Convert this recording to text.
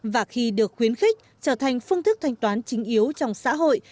và khi được khuyến khích trở thành phương thức thanh toán chính yếu trong xã hội